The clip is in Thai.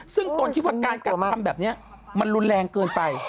ซึ่งตนคิดว่าการกระทำแบบนี้มันรุนแรงเกินไป